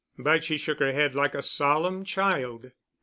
But she shook her head like a solemn child.